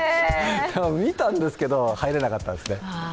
見たんですけど入れなかったんですね。